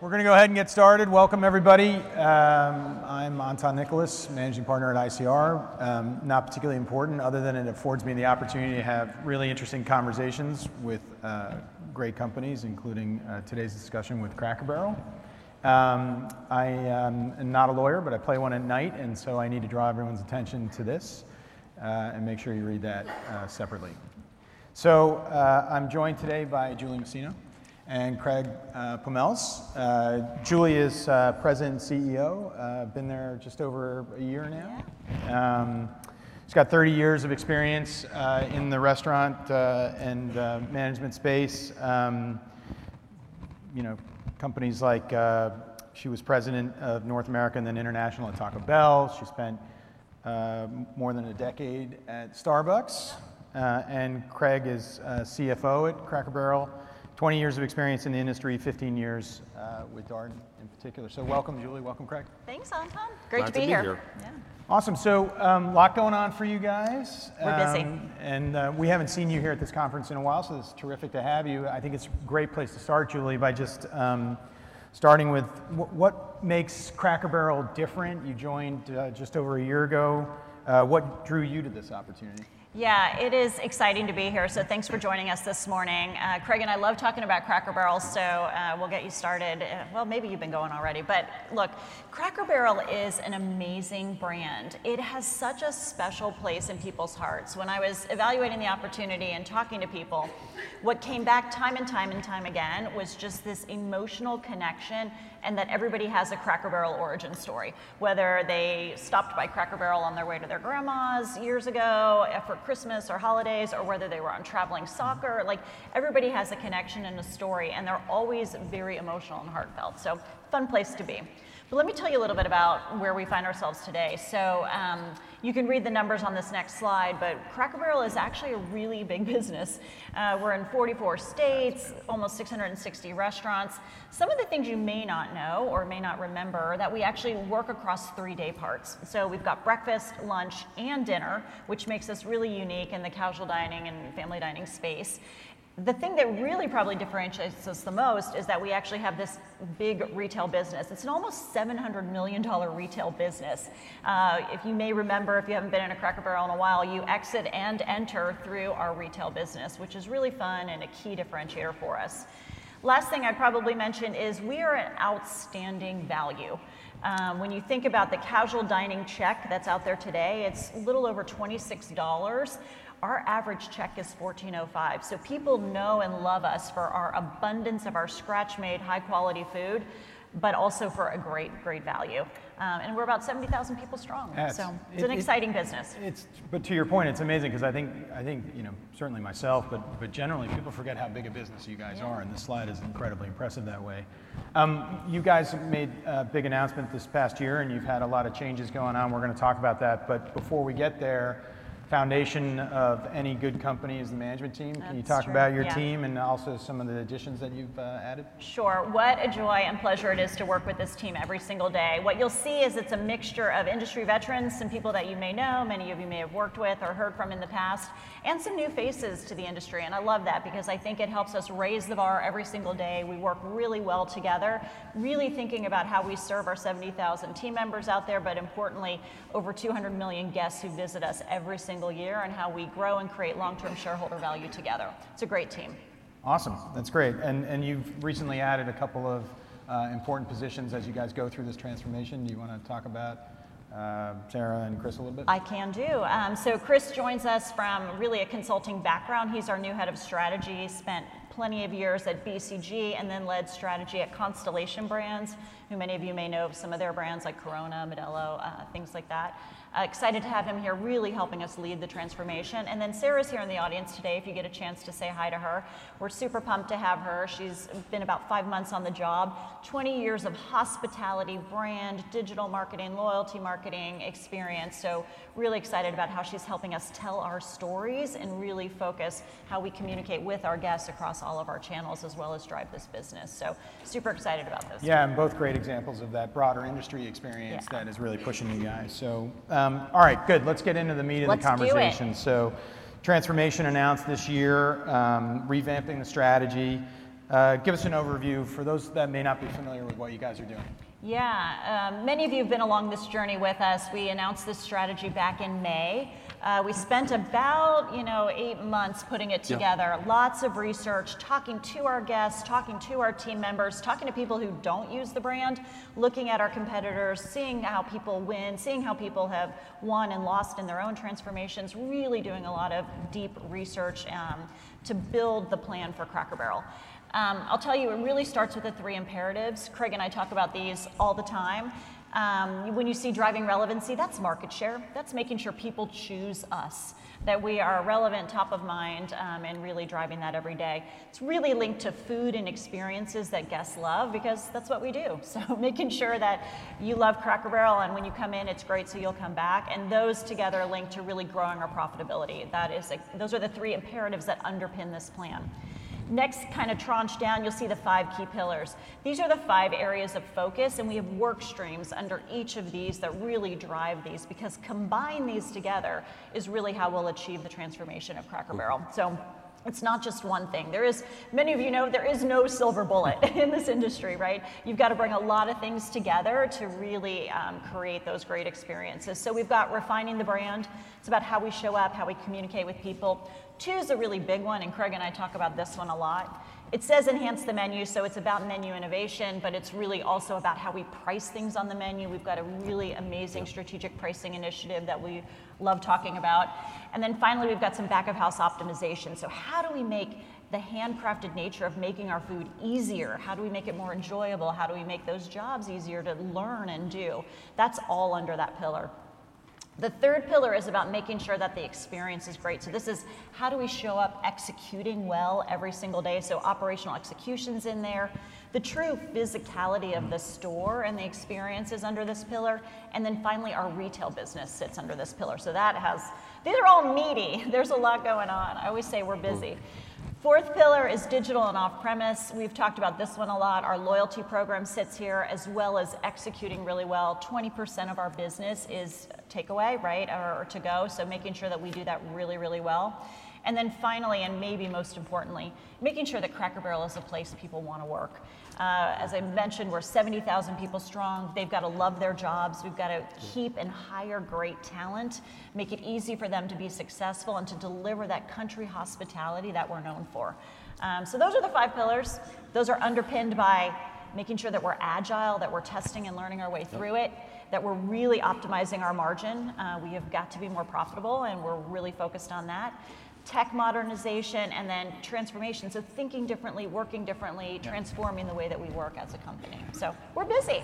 We're going to go ahead and get started. Welcome, everybody. I'm Anton Nicholas, Managing Partner at ICR. Not particularly important other than it affords me the opportunity to have really interesting conversations with great companies, including today's discussion with Cracker Barrel. I am not a lawyer, but I play one at night, and so I need to draw everyone's attention to this and make sure you read that separately. So I'm joined today by Julie Masino and Craig Pommells. Julie is President and CEO. I've been there just over a year now. She's got 30 years of experience in the restaurant and management space. Companies like she was President of North America and then International at Taco Bell. She spent more than a decade at Starbucks. And Craig is CFO at Cracker Barrel. 20 years of experience in the industry, 15 years with Darden in particular. So welcome, Julie. Welcome, Craig. Thanks, Anton. Great to be here. Awesome, so a lot going on for you guys. We're busy. We haven't seen you here at this conference in a while, so it's terrific to have you. I think it's a great place to start, Julie, by just starting with what makes Cracker Barrel different? You joined just over a year ago. What drew you to this opportunity? Yeah, it is exciting to be here. So thanks for joining us this morning. Craig and I love talking about Cracker Barrel, so we'll get you started. Well, maybe you've been going already. But look, Cracker Barrel is an amazing brand. It has such a special place in people's hearts. When I was evaluating the opportunity and talking to people, what came back time and time and time again was just this emotional connection and that everybody has a Cracker Barrel origin story, whether they stopped by Cracker Barrel on their way to their grandma's years ago for Christmas or holidays, or whether they were on traveling soccer. Everybody has a connection and a story, and they're always very emotional and heartfelt. So fun place to be. But let me tell you a little bit about where we find ourselves today. So you can read the numbers on this next slide, but Cracker Barrel is actually a really big business. We're in 44 states, almost 660 restaurants. Some of the things you may not know or may not remember are that we actually work across three day parts. So we've got breakfast, lunch, and dinner, which makes us really unique in the casual dining and family dining space. The thing that really probably differentiates us the most is that we actually have this big retail business. It's an almost $700 million retail business. If you may remember, if you haven't been in a Cracker Barrel in a while, you exit and enter through our retail business, which is really fun and a key differentiator for us. Last thing I'd probably mention is we are at outstanding value. When you think about the casual dining check that's out there today, it's a little over $26. Our average check is $14.05. So people know and love us for our abundance of scratch-made, high-quality food, but also for a great, great value. And we're about 70,000 people strong. So it's an exciting business. But to your point, it's amazing because I think certainly myself, but generally people forget how big a business you guys are. And this slide is incredibly impressive that way. You guys made a big announcement this past year, and you've had a lot of changes going on. We're going to talk about that. But before we get there, foundation of any good company is the management team. Can you talk about your team and also some of the additions that you've added? Sure. What a joy and pleasure it is to work with this team every single day. What you'll see is it's a mixture of industry veterans, some people that you may know, many of you may have worked with or heard from in the past, and some new faces to the industry, and I love that because I think it helps us raise the bar every single day. We work really well together, really thinking about how we serve our 70,000 team members out there, but importantly, over 200 million guests who visit us every single year and how we grow and create long-term shareholder value together. It's a great team. Awesome. That's great, and you've recently added a couple of important positions as you guys go through this transformation. Do you want to talk about Sarah and Chris a little bit? I can do. So Chris joins us from really a consulting background. He's our new head of strategy. He spent plenty of years at BCG and then led strategy at Constellation Brands, who many of you may know of some of their brands like Corona, Modelo, things like that. Excited to have him here really helping us lead the transformation. And then Sarah's here in the audience today. If you get a chance to say hi to her, we're super pumped to have her. She's been about five months on the job, 20 years of hospitality, brand, digital marketing, loyalty marketing experience. So really excited about how she's helping us tell our stories and really focus how we communicate with our guests across all of our channels as well as drive this business. So super excited about this. Yeah, and both great examples of that broader industry experience that is really pushing you guys. So, all right, good. Let's get into the meat of the conversation. So, transformation announced this year, revamping the strategy. Give us an overview for those that may not be familiar with what you guys are doing. Yeah. Many of you have been along this journey with us. We announced this strategy back in May. We spent about eight months putting it together, lots of research, talking to our guests, talking to our team members, talking to people who don't use the brand, looking at our competitors, seeing how people win, seeing how people have won and lost in their own transformations, really doing a lot of deep research to build the plan for Cracker Barrel. I'll tell you, it really starts with the three imperatives. Craig and I talk about these all the time. When you see driving relevancy, that's market share. That's making sure people choose us, that we are relevant, top of mind, and really driving that every day. It's really linked to food and experiences that guests love because that's what we do. So making sure that you love Cracker Barrel and when you come in, it's great, so you'll come back. And those together link to really growing our profitability. Those are the three imperatives that underpin this plan. Next, kind of tranche down, you'll see the five key pillars. These are the five areas of focus, and we have work streams under each of these that really drive these because combine these together is really how we'll achieve the transformation of Cracker Barrel. So it's not just one thing. Many of you know there is no silver bullet in this industry. You've got to bring a lot of things together to really create those great experiences. So we've got refining the brand. It's about how we show up, how we communicate with people. Two is a really big one, and Craig and I talk about this one a lot. It says enhance the menu, so it's about menu innovation, but it's really also about how we price things on the menu. We've got a really amazing strategic pricing initiative that we love talking about, and then finally, we've got some back-of-house optimization, so how do we make the handcrafted nature of making our food easier? How do we make it more enjoyable? How do we make those jobs easier to learn and do? That's all under that pillar. The third pillar is about making sure that the experience is great, so this is how do we show up executing well every single day, so operational execution's in there. The true physicality of the store and the experience is under this pillar, and then finally, our retail business sits under this pillar, so these are all meaty. There's a lot going on. I always say we're busy. Fourth pillar is digital and off-premise. We've talked about this one a lot. Our loyalty program sits here as well as executing really well. 20% of our business is takeaway or to-go, so making sure that we do that really, really well. And then finally, and maybe most importantly, making sure that Cracker Barrel is a place people want to work. As I mentioned, we're 70,000 people strong. They've got to love their jobs. We've got to keep and hire great talent, make it easy for them to be successful and to deliver that country hospitality that we're known for. So those are the five pillars. Those are underpinned by making sure that we're agile, that we're testing and learning our way through it, that we're really optimizing our margin. We have got to be more profitable, and we're really focused on that. Tech modernization and then transformation. So thinking differently, working differently, transforming the way that we work as a company. So we're busy.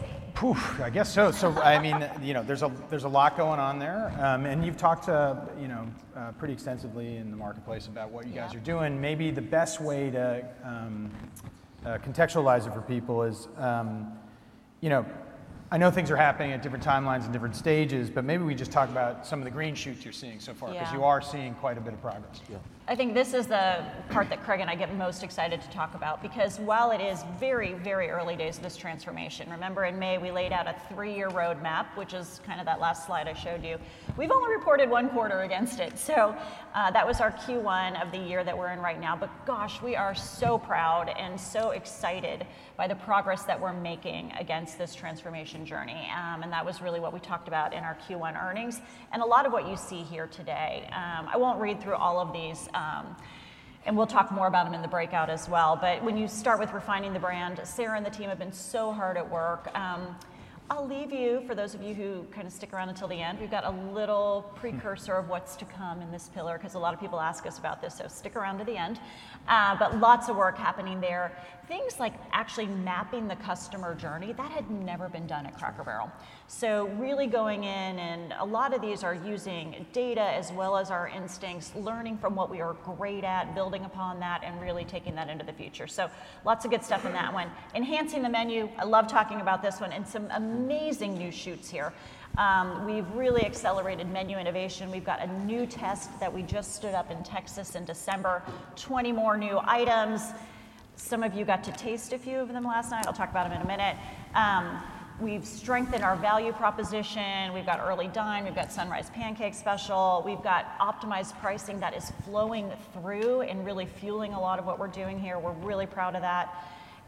I guess so. I mean, there's a lot going on there, and you've talked pretty extensively in the marketplace about what you guys are doing. Maybe the best way to contextualize it for people is, I know things are happening at different timelines and different stages, but maybe we just talk about some of the green shoots you're seeing so far because you are seeing quite a bit of progress. I think this is the part that Craig and I get most excited to talk about because while it is very, very early days of this transformation, remember in May we laid out a three-year roadmap, which is kind of that last slide I showed you. We've only reported one quarter against it. So that was our Q1 of the year that we're in right now. But gosh, we are so proud and so excited by the progress that we're making against this transformation journey. And that was really what we talked about in our Q1 earnings and a lot of what you see here today. I won't read through all of these, and we'll talk more about them in the breakout as well. But when you start with refining the brand, Sarah and the team have been so hard at work. I'll leave you for those of you who kind of stick around until the end. We've got a little precursor of what's to come in this pillar because a lot of people ask us about this, so stick around to the end. But lots of work happening there. Things like actually mapping the customer journey, that had never been done at Cracker Barrel. So really going in, and a lot of these are using data as well as our instincts, learning from what we are great at, building upon that, and really taking that into the future. So lots of good stuff in that one. Enhancing the menu, I love talking about this one, and some amazing new shoots here. We've really accelerated menu innovation. We've got a new test that we just stood up in Texas in December, 20 more new items. Some of you got to taste a few of them last night. I'll talk about them in a minute. We've strengthened our value proposition. We've got early dine. We've got Sunrise Pancake Special. We've got optimized pricing that is flowing through and really fueling a lot of what we're doing here. We're really proud of that,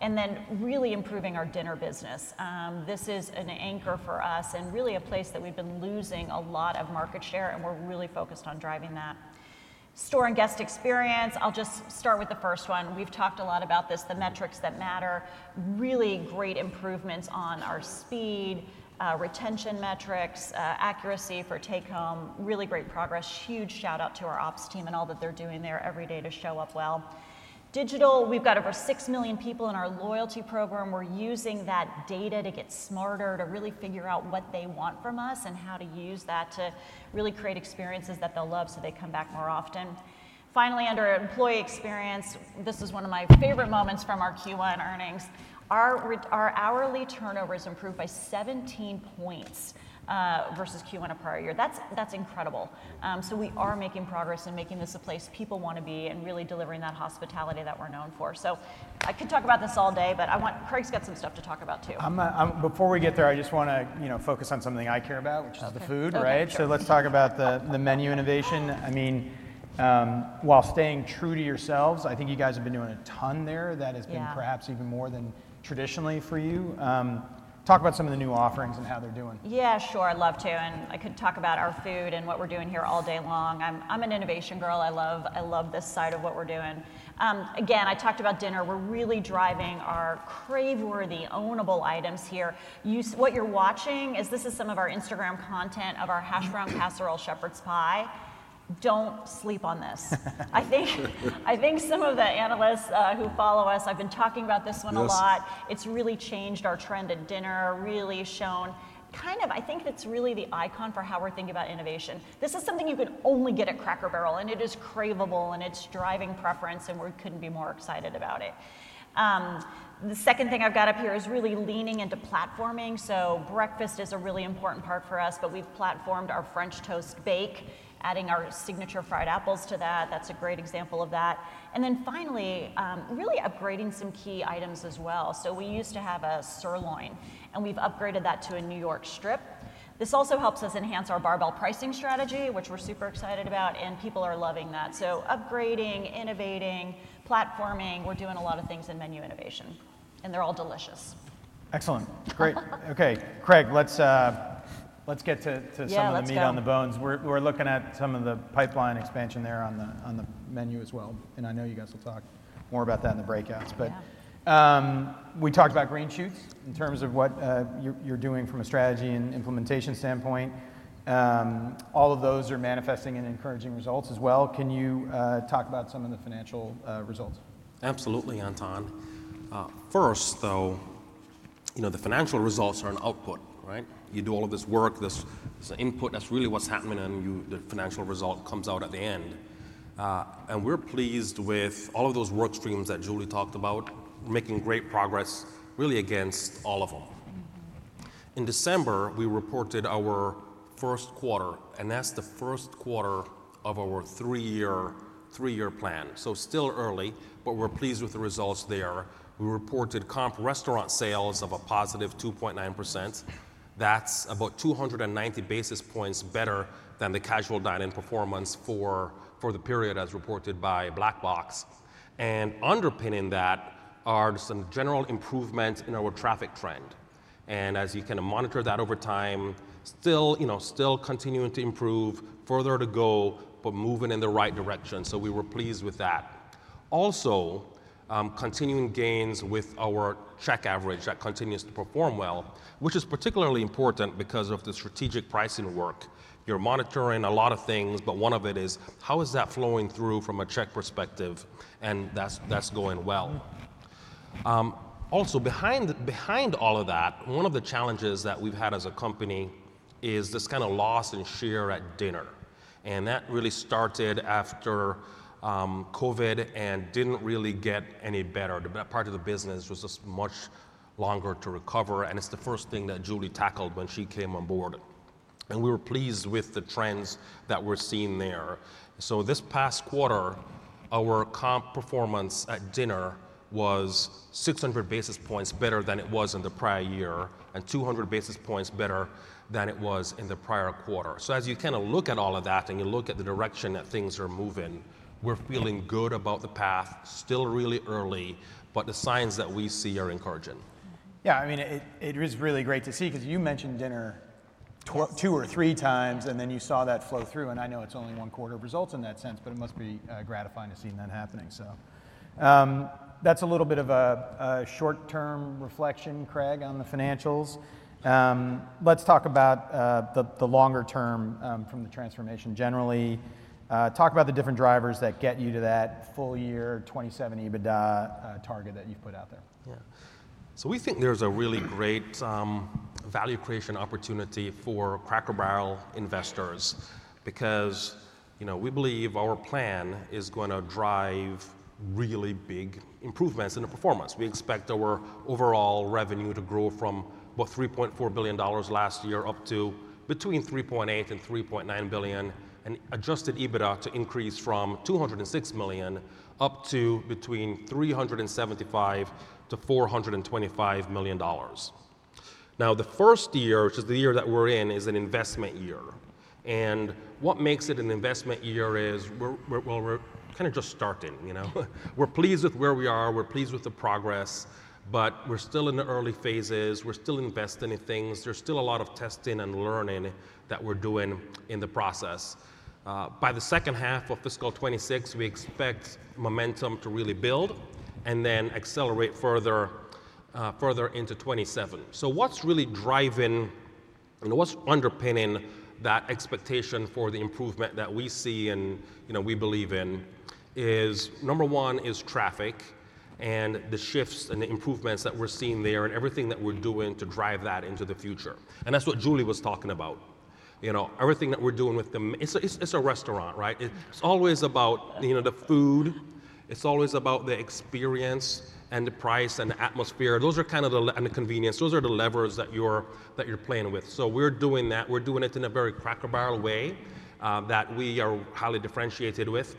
and then really improving our dinner business. This is an anchor for us and really a place that we've been losing a lot of market share, and we're really focused on driving that. Store and guest experience. I'll just start with the first one. We've talked a lot about this, the metrics that matter. Really great improvements on our speed, retention metrics, accuracy for take home. Really great progress. Huge shout-out to our ops team and all that they're doing there every day to show up well. Digital, we've got over six million people in our loyalty program. We're using that data to get smarter, to really figure out what they want from us and how to use that to really create experiences that they'll love so they come back more often. Finally, under employee experience, this is one of my favorite moments from our Q1 earnings. Our hourly turnover is improved by 17 points versus Q1 of prior year. That's incredible. So we are making progress and making this a place people want to be and really delivering that hospitality that we're known for. So I could talk about this all day, but Craig's got some stuff to talk about too. Before we get there, I just want to focus on something I care about, which is the food, right? So let's talk about the menu innovation. I mean, while staying true to yourselves, I think you guys have been doing a ton there that has been perhaps even more than traditionally for you. Talk about some of the new offerings and how they're doing. Yeah, sure. I'd love to, and I could talk about our food and what we're doing here all day long. I'm an innovation girl. I love this side of what we're doing. Again, I talked about dinner. We're really driving our crave-worthy, ownable items here. What you're watching is some of our Instagram content of our Hashbrown Casserole Shepherd's Pie. Don't sleep on this. I think some of the analysts who follow us, I've been talking about this one a lot. It's really changed our trend at dinner, really shown kind of, I think it's really the icon for how we're thinking about innovation. This is something you can only get at Cracker Barrel, and it is craveable, and it's driving preference, and we couldn't be more excited about it. The second thing I've got up here is really leaning into platforming. So breakfast is a really important part for us, but we've platformed our French Toast Bake, adding our Signature Fried Apples to that. That's a great example of that. And then finally, really upgrading some key items as well. So we used to have a sirloin, and we've upgraded that to a New York Strip. This also helps us enhance our barbell pricing strategy, which we're super excited about, and people are loving that. So upgrading, innovating, platforming, we're doing a lot of things in menu innovation, and they're all delicious. Excellent. Great. Okay, Craig, let's get to some of the meat on the bones. We're looking at some of the pipeline expansion there on the menu as well. And I know you guys will talk more about that in the breakouts. But we talked about green shoots in terms of what you're doing from a strategy and implementation standpoint. All of those are manifesting and encouraging results as well. Can you talk about some of the financial results? Absolutely, Anton. First, though, the financial results are an output. You do all of this work, this input. That's really what's happening, and the financial result comes out at the end. We're pleased with all of those work streams that Julie talked about, making great progress really against all of them. In December, we reported our first quarter, and that's the first quarter of our three-year plan. Still early, but we're pleased with the results there. We reported comp restaurant sales of a positive 2.9%. That's about 290 basis points better than the casual dining performance for the period as reported by Black Box. Underpinning that are some general improvements in our traffic trend. As you can monitor that over time, still continuing to improve, further to go, but moving in the right direction. We were pleased with that. Also, continuing gains with our check average that continues to perform well, which is particularly important because of the strategic pricing work. You're monitoring a lot of things, but one of it is how is that flowing through from a check perspective, and that's going well. Also, behind all of that, one of the challenges that we've had as a company is this kind of loss in share at dinner. And that really started after COVID and didn't really get any better. The part of the business was just much longer to recover, and it's the first thing that Julie tackled when she came on board. And we were pleased with the trends that we're seeing there. So this past quarter, our comp performance at dinner was 600 basis points better than it was in the prior year and 200 basis points better than it was in the prior quarter. So, as you kind of look at all of that and you look at the direction that things are moving, we're feeling good about the path, still really early, but the signs that we see are encouraging. Yeah, I mean, it is really great to see because you mentioned dinner two or three times, and then you saw that flow through. And I know it's only one quarter of results in that sense, but it must be gratifying to see that happening. So that's a little bit of a short-term reflection, Craig, on the financials. Let's talk about the longer term from the transformation generally. Talk about the different drivers that get you to that full-year 2027 EBITDA target that you've put out there. Yeah, so we think there's a really great value creation opportunity for Cracker Barrel investors because we believe our plan is going to drive really big improvements in the performance. We expect our overall revenue to grow from about $3.4 billion last year up to between $3.8 and $3.9 billion, and Adjusted EBITDA to increase from $206 million up to between $375 and $425 million. Now, the first year, which is the year that we're in, is an investment year. And what makes it an investment year is, well, we're kind of just starting. We're pleased with where we are. We're pleased with the progress, but we're still in the early phases. We're still investing in things. There's still a lot of testing and learning that we're doing in the process. By the second half of fiscal 2026, we expect momentum to really build and then accelerate further into 2027. So what's really driving and what's underpinning that expectation for the improvement that we see and we believe in is, number one, is traffic and the shifts and the improvements that we're seeing there and everything that we're doing to drive that into the future. And that's what Julie was talking about. Everything that we're doing with them, it's a restaurant, right? It's always about the food. It's always about the experience and the price and the atmosphere. Those are kind of the convenience. Those are the levers that you're playing with. So we're doing that. We're doing it in a very Cracker Barrel way that we are highly differentiated with.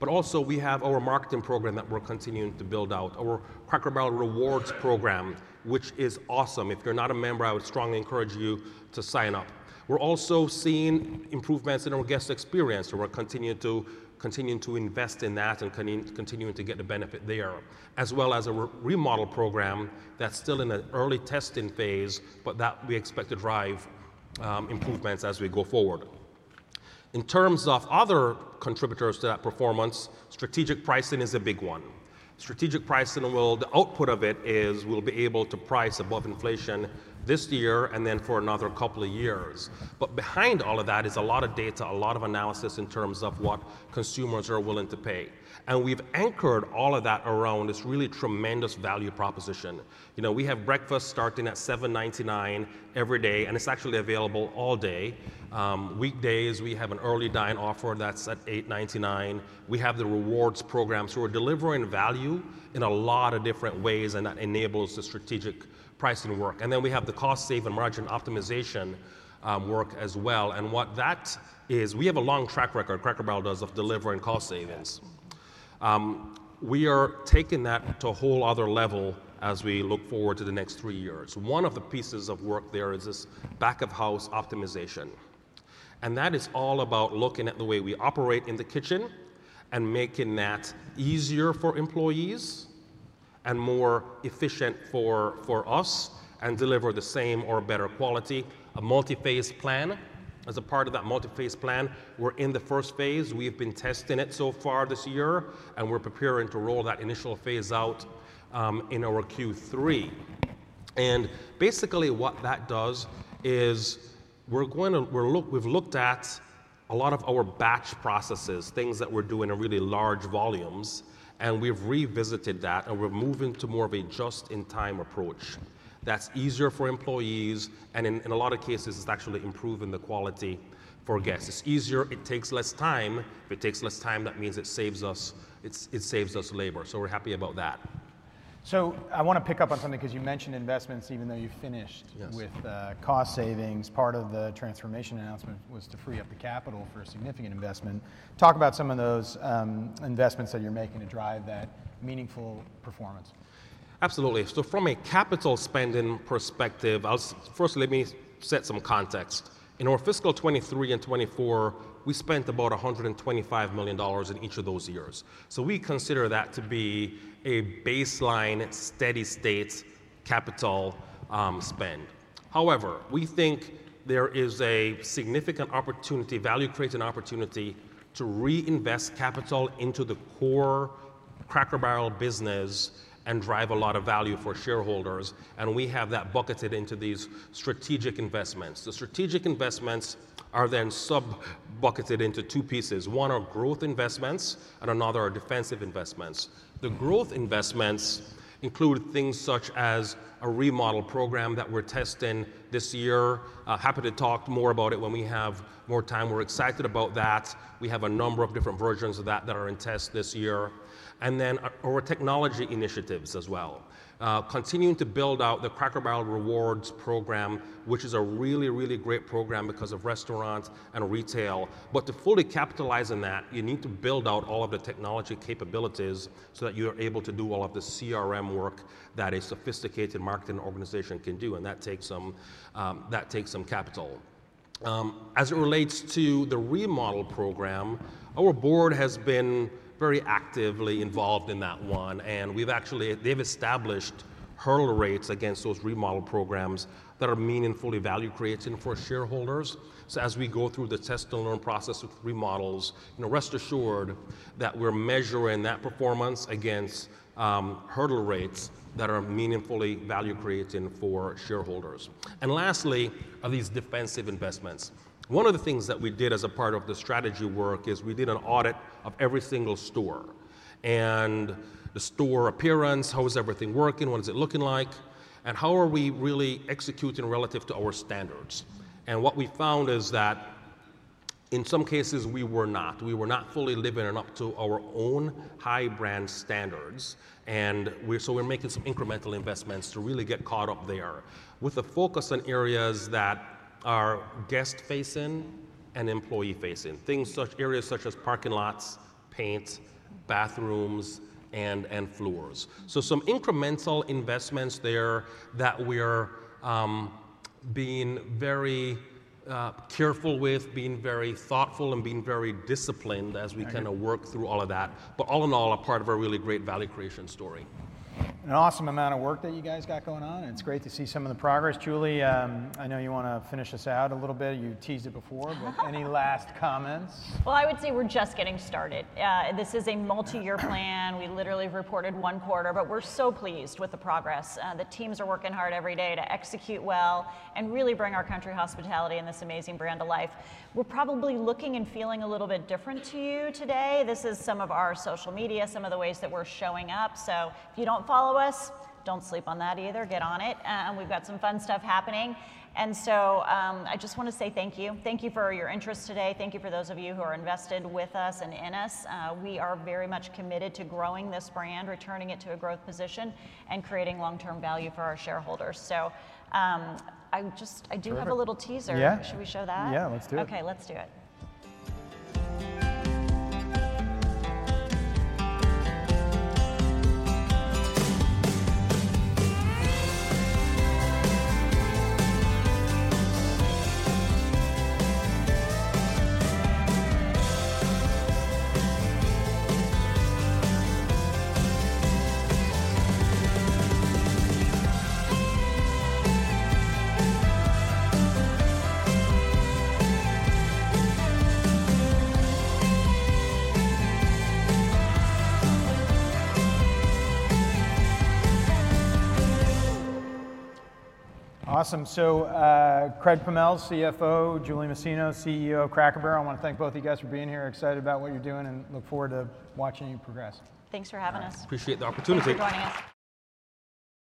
But also, we have our marketing program that we're continuing to build out, our Cracker Barrel Rewards program, which is awesome. If you're not a member, I would strongly encourage you to sign up. We're also seeing improvements in our guest experience. We're continuing to invest in that and continuing to get the benefit there, as well as a remodel program that's still in an early testing phase, but that we expect to drive improvements as we go forward. In terms of other contributors to that performance, strategic pricing is a big one. Strategic pricing, well, the output of it is we'll be able to price above inflation this year and then for another couple of years. But behind all of that is a lot of data, a lot of analysis in terms of what consumers are willing to pay. And we've anchored all of that around this really tremendous value proposition. We have breakfast starting at $7.99 every day, and it's actually available all day. Weekdays, we have an early dining offer that's at $8.99. We have the rewards program. So we're delivering value in a lot of different ways, and that enables the strategic pricing work. And then we have the cost-saving margin optimization work as well. And what that is, we have a long track record, Cracker Barrel does, of delivering cost savings. We are taking that to a whole other level as we look forward to the next three years. One of the pieces of work there is this back-of-house optimization. And that is all about looking at the way we operate in the kitchen and making that easier for employees and more efficient for us and deliver the same or better quality. A multi-phase plan. As a part of that multi-phase plan, we're in the first phase. We've been testing it so far this year, and we're preparing to roll that initial phase out in our Q3. Basically, what that does is we've looked at a lot of our batch processes, things that we're doing in really large volumes, and we've revisited that, and we're moving to more of a just-in-time approach. That's easier for employees, and in a lot of cases, it's actually improving the quality for guests. It's easier. It takes less time. If it takes less time, that means it saves us labor. We're happy about that. So, I want to pick up on something because you mentioned investments, even though you finished with cost savings. Part of the transformation announcement was to free up the capital for a significant investment. Talk about some of those investments that you're making to drive that meaningful performance. Absolutely. So from a capital spending perspective, first, let me set some context. In our fiscal 2023 and 2024, we spent about $125 million in each of those years. So we consider that to be a baseline steady-state capital spend. However, we think there is a significant opportunity, value-creating opportunity to reinvest capital into the core Cracker Barrel business and drive a lot of value for shareholders. And we have that bucketed into these strategic investments. The strategic investments are then sub-bucketed into two pieces. One are growth investments, and another are defensive investments. The growth investments include things such as a remodel program that we're testing this year. Happy to talk more about it when we have more time. We're excited about that. We have a number of different versions of that that are in test this year. And then our technology initiatives as well. Continuing to build out the Cracker Barrel Rewards program, which is a really, really great program because of restaurants and retail. But to fully capitalize on that, you need to build out all of the technology capabilities so that you are able to do all of the CRM work that a sophisticated marketing organization can do. And that takes some capital. As it relates to the remodel program, our board has been very actively involved in that one. And they've established hurdle rates against those remodel programs that are meaningfully value-creating for shareholders. So as we go through the test-and-learn process with remodels, rest assured that we're measuring that performance against hurdle rates that are meaningfully value-creating for shareholders. And lastly, of these defensive investments, one of the things that we did as a part of the strategy work is we did an audit of every single store. And the store appearance, how is everything working, what is it looking like, and how are we really executing relative to our standards? And what we found is that in some cases, we were not. We were not fully living up to our own high-brand standards. And so we're making some incremental investments to really get caught up there with a focus on areas that are guest-facing and employee-facing, areas such as parking lots, paint, bathrooms, and floors. So some incremental investments there that we're being very careful with, being very thoughtful, and being very disciplined as we kind of work through all of that. But all in all, a part of a really great value-creation story. An awesome amount of work that you guys got going on. It's great to see some of the progress. Julie, I know you want to finish us out a little bit. You teased it before, but any last comments? I would say we're just getting started. This is a multi-year plan. We literally reported one quarter, but we're so pleased with the progress. The teams are working hard every day to execute well and really bring our country hospitality and this amazing brand to life. We're probably looking and feeling a little bit different to you today. This is some of our social media, some of the ways that we're showing up. So if you don't follow us, don't sleep on that either. Get on it. We've got some fun stuff happening. I just want to say thank you. Thank you for your interest today. Thank you for those of you who are invested with us and in us. We are very much committed to growing this brand, returning it to a growth position, and creating long-term value for our shareholders. So I do have a little teaser. Yeah. Should we show that? Yeah, let's do it. Okay, let's do it. Awesome, so Craig Pommells, CFO, Julie Masino, CEO, Cracker Barrel, I want to thank both of you guys for being here, excited about what you're doing, and look forward to watching you progress. Thanks for having us. Appreciate the opportunity. Thanks for joining us.